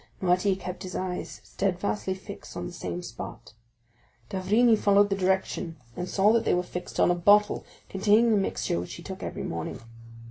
Noirtier kept his eyes steadfastly fixed on the same spot. D'Avrigny followed the direction and saw that they were fixed on a bottle containing the mixture which he took every morning.